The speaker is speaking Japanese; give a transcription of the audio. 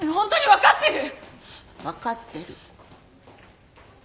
分かってる。